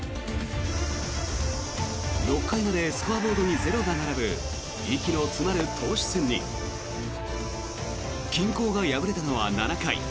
６回までスコアボードに０が並ぶ息が詰まる投手戦に均衡が破れたのは７回。